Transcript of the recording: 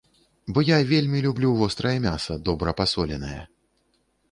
Бо я вельмі люблю вострае мяса, добра пасоленае.